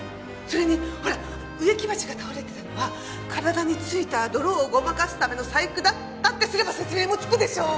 それにほら植木鉢が倒れてたのは体についた泥をごまかすための細工だったってすれば説明もつくでしょう！